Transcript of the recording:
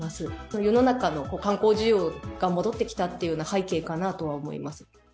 世の中の観光需要が戻ってきたという背景かなとは思います。